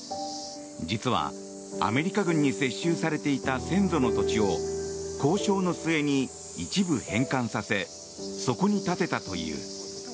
実はアメリカ軍に接収されていた先祖の土地を交渉の末に一部、返還させそこに建てたという。